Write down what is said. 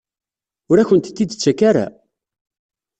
Ur akent-t-id-tettak ara?